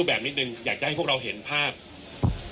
คุณผู้ชมไปฟังผู้ว่ารัฐกาลจังหวัดเชียงรายแถลงตอนนี้ค่ะ